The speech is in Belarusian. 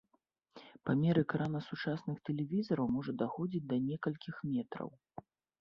Памер экрана сучасных тэлевізараў можа даходзіць да некалькіх метраў.